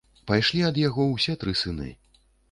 Пайшлі ад яго ўсе тры сыны.